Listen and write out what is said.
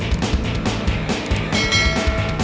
eh dia bener baik